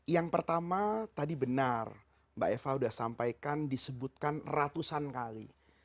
yang pertama tadi benar mbak eva sudah sampaikan disebutkan ratusan kali